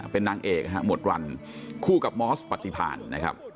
เป็นนางเอกหมดวันคู่กับมอสปฏิพานนะครับ